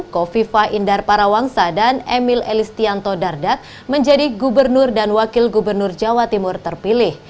kofifa indar parawangsa dan emil elistianto dardak menjadi gubernur dan wakil gubernur jawa timur terpilih